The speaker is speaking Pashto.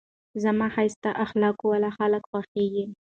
زما ښایسته اخلاقو واله خلک خوښېږي.